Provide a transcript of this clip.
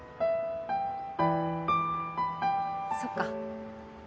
そっか。